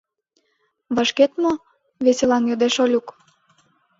— Вашкет мо? — веселан йодеш Олюк.